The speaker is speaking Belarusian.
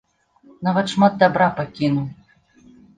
Нават шмат дабра пакінуў.